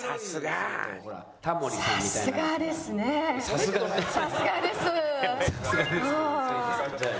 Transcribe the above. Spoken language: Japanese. さすがです！